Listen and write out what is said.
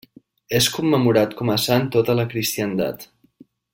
És commemorat com a sant a tota la cristiandat.